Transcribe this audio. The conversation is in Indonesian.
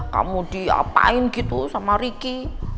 kamu diapain gitu sama ricky